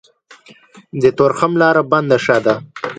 د تورخم لاره بنده ښه ده.